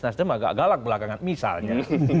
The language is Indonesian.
nasdem agak galak belakangan misalnya